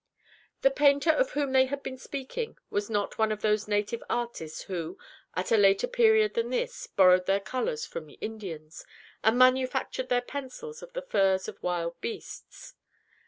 The painter of whom they had been speaking was not one of those native artists who, at a later period than this, borrowed their colors from the Indians, and manufactured their pencils of the furs of wild beasts.